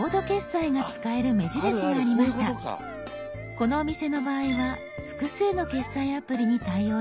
このお店の場合は複数の決済アプリに対応しています。